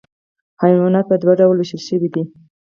حیوانات په دوه ډلو ویشل شوي دي